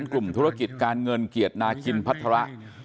กลุ่มธุรกิจการเงินเกียรตินาคินพัฒระ